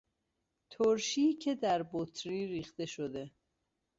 ترشی که در بطری ریخته شده